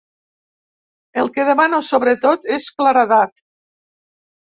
El que demano sobretot és claredat.